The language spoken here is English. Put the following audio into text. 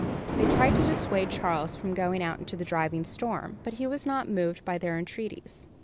They tried to dissuade Charles from going out into the driving storm; but he was not moved by their entreaties.